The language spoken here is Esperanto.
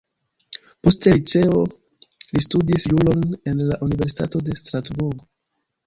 Poste liceo li studis juron en la universitato de Strasburgo.